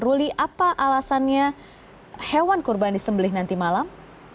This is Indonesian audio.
ruli apa alasannya hewan kurban disembelih nanti malam